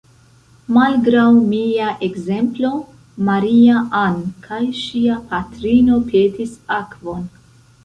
Malgraŭ mia ekzemplo, Maria-Ann kaj ŝia patrino petis akvon.